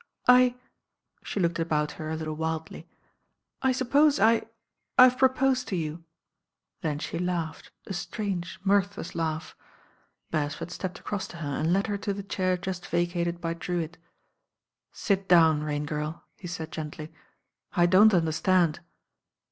"^" she looked about her a little wildly. "I suppose I— I've proposed to you." Then' she laughed, a strange, mirthless laugh. Beresford stepped across to her and led her to the chair just vacated by Drewitt. "Sit down, Rain Oirl, he said gently; "I don't understand."